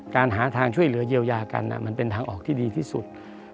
หาทางช่วยเหลือเยียวยากันมันเป็นทางออกที่ดีที่สุด